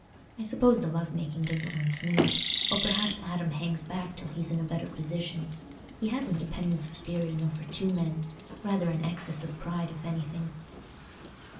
I suppose the love making doesn't run smooth, or perhaps Adam hangs back till he's in a better position. He has independence of spirit enough for two men—rather an excess of pride, if anything."